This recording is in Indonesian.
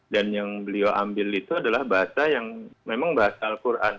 dan yang beliau ambil itu adalah bahasa yang memang bahasa al quran